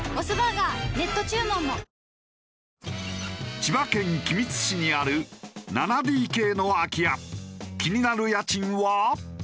千葉県君津市にある７ＤＫの空き家気になる家賃は？